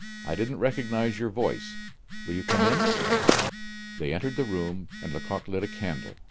I didn't recognize your voice will you come in?" They entered the room, and Lecoq lit a candle.